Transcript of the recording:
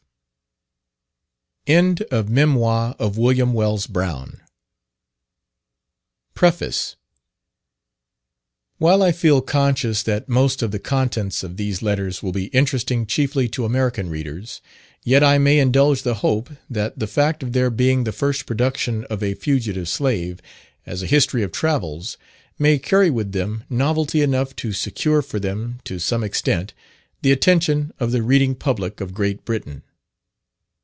W.F. PREFACE. While I feel conscious that most of the contents of these Letters will be interesting chiefly to American readers, yet I may indulge the hope, that the fact of their being the first production of a Fugitive Slave, as a history of travels, may carry with them novelty enough to secure for them, to some extent, the attention of the reading public of Great Britain.